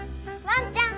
ワンちゃん！